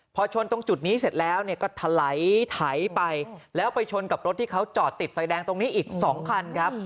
พอชนตรงจุดนี้เสร็จแล้วก็ถลายไถไปแล้วไปชนกับรถที่เขาจอดติดไฟแดงตรงนี้อีก๒คันครับ